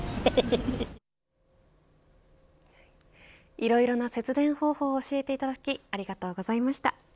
いろいろな節電方法を教えていただきありがとうございました。